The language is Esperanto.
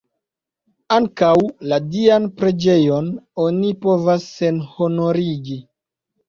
Ankaŭ la Dian preĝejon oni povas senhonorigi!